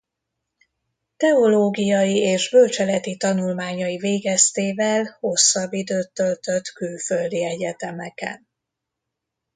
Teológiai és bölcseleti tanulmányai végeztével hosszabb időt töltött külföldi egyetemeken.